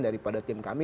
daripada tim kami